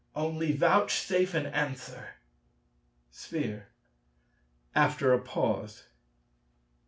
Only vouchsafe an answer. Sphere (after a pause).